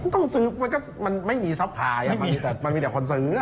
ต้องซื้อมันก็ไม่มีซับไพรมันมีเดี๋ยวคนซื้อ